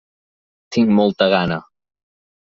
Tinc molta gana.